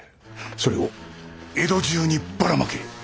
それを江戸中にばらまけ。